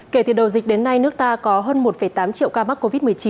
kể từ đầu dịch đến nay nước ta có hơn một tám triệu ca mắc covid một mươi chín